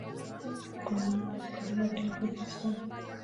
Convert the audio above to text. د کونړونو زلزله راغلي افت یو ستم و.